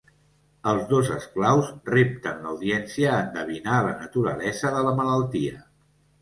Els dos esclaus repten l'audiència a endevinar la naturalesa de la malaltia.